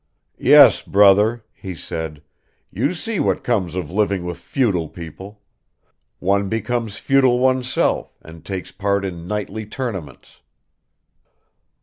"Yes, brother," he said, "you see what comes of living with feudal people. One becomes feudal oneself and takes part in knightly tournaments.